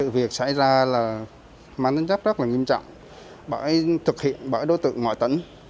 việc xảy ra là mán tấn chấp rất là nghiêm trọng bởi thực hiện bởi đối tượng ngoại tấn